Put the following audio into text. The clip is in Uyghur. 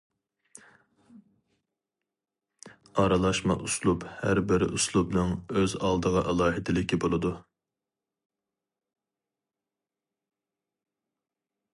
ئارىلاشما ئۇسلۇب ھەر بىر ئۇسلۇبنىڭ ئۆز ئالدىغا ئالاھىدىلىكى بولىدۇ.